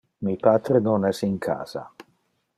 Mi patre non es in casa.